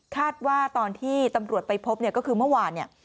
คาดว่าตอนที่ตำรวจไปพบก็คือเมื่อวาน